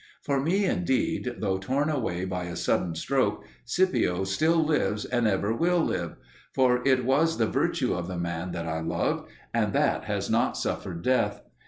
For me, indeed, though torn away by a sudden stroke, Scipio still lives and ever wilt live. For it was the virtue of the man that I loved, and that has not suffered death.